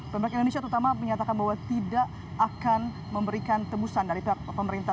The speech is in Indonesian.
pemerintah indonesia terutama menyatakan bahwa tidak akan memberikan tebusan dari pihak pemerintah